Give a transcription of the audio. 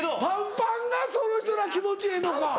パンパンがその人ら気持ちええのか。